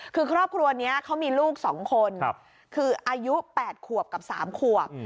คือครอบครัวนี้เขามีลูก๒คนคืออายุ๘ขวบกับ๓ขวบ